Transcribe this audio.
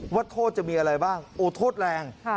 ว่าโทษจะมีอะไรบ้างโอ้โทษแรง